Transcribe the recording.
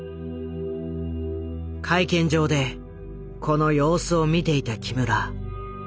会見場でこの様子を見ていた木村。